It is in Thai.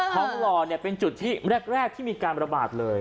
ห้องหล่อเป็นจุดที่แรกที่มีการระบาดเลย